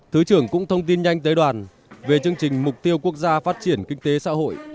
thứ trưởng cũng thông tin nhanh tới đoàn về chương trình mục tiêu quốc gia phát triển kinh tế xã hội